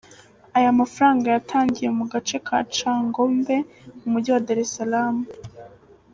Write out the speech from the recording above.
Aya mafranga yatangiwe mu gace ka Changombe mu mujyi wa Dari Salamu.